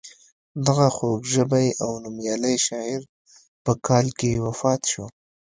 دغه خوږ ژبی او نومیالی شاعر په کال کې وفات شو.